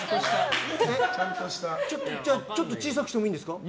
ちょっと小さくしてもいいんですか？